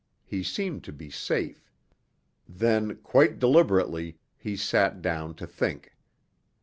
He seemed to be safe. Then, quite deliberately, he sat down to think.